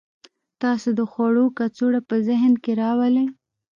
تاسو د خوړو کڅوړه په ذهن کې راولئ